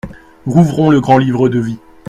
Rouvrons le grand livre de vie.